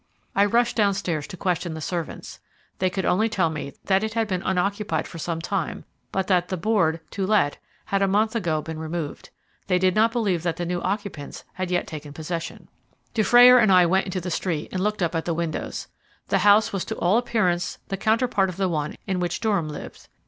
I rushed downstairs to question the servants. They could only tell me that it had been unoccupied for some time, but that the board "To let" had a month ago been removed. They did not believe that the new occupants had yet taken possession. Dufrayer and I went into the street and looked at the windows. The house was to all appearance the counterpart of the one in which Durham lived.